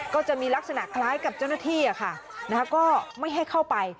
ก็จะมีลักษณะคล้ายกับเจ้าหน้าที่ก็ไม่ให้เข้าไป